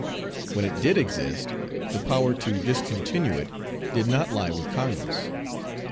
When it did exist the power to discontinue it did not lie with Congress.